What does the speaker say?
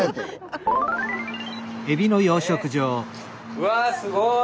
うわあすごい！